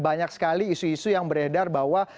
banyak sekali isu isu yang beredar bahwa